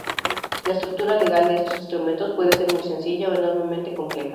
La estructura legal de estos instrumentos puede ser muy sencilla, o enormemente compleja.